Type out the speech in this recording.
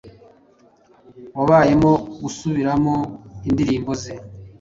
wabayemo gusubiramo indirimbo ze